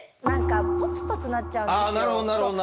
何かポツポツなっちゃうんですよ。